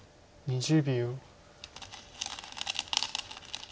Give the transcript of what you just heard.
２０秒。